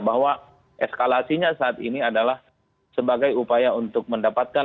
bahwa eskalasinya saat ini adalah sebagai upaya untuk mendapatkan